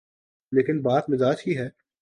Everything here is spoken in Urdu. لیکن بات مزاج کی ہے۔